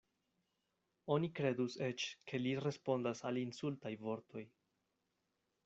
Oni kredus eĉ, ke li respondas al insultaj vortoj.